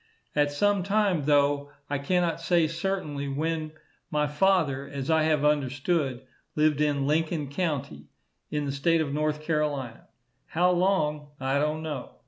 At some time, though I cannot say certainly when, my father, as I have understood, lived in Lincoln county, in the state of North Carolina. How long, I don't know.